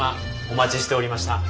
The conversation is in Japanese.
お待ちしておりました。